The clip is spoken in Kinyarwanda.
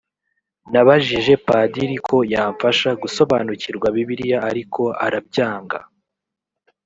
nabajije padiri ko yamfasha gusobanukirwa bibiliya ariko arabyanga